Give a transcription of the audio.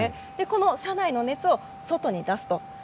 この車内の熱を外に出すと。